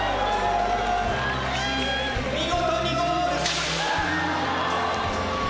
見事にゴールしました！